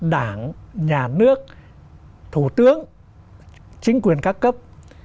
đảng nhà nước thủ tướng chính quyền ca cấp